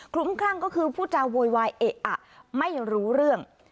ลุ้มคลั่งก็คือผู้จาโวยวายเอ๊ะอ่ะไม่รู้เรื่อง